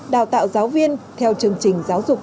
đào tạo giáo viên theo chương trình giáo dục